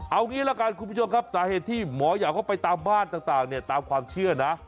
เอางี้ละกันคุณผู้ชมครับสาเหตุที่หมอยาวเข้าไปตามบ้านต่างเนี่ยตามความเชื่อนะ